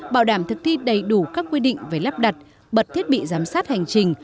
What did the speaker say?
bảo đảm thực thi đầy đủ các quy định về lắp đặt bật thiết bị giám sát hành trình